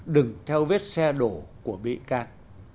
đừng theo vết xe đổ của bị can